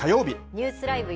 ニュースＬＩＶＥ！